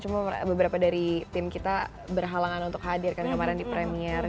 cuma beberapa dari tim kita berhalangan untuk hadir kan kemarin di premier